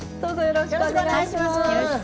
よろしくお願いします。